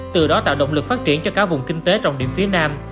từ đó tạo động lực phát triển cho cả vùng kinh tế trọng điểm phía nam